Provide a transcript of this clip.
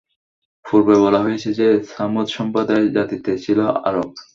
পূর্বেই বলা হয়েছে যে, ছামূদ সম্প্রদায় জাতিতে ছিল আরব।